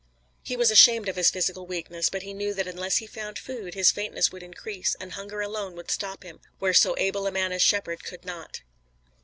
He was ashamed of his physical weakness, but he knew that unless he found food his faintness would increase, and hunger alone would stop him, where so able a man as Shepard could not.